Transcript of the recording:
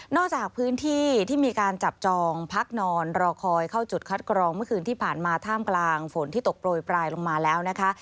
จากพื้นที่ที่มีการจับจองพักนอนรอคอยเข้าจุดคัดกรองเมื่อคืนที่ผ่านมาท่ามกลางฝนที่ตกโปรยปลายลงมาแล้วนะคะ